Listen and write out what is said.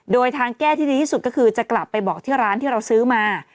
โดยทางแก้ที่ดีที่สุดก็คือจะกลับไปบอกที่ร้านที่เราซื้อมา